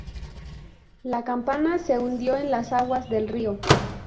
La campana se hundió en las aguas del río.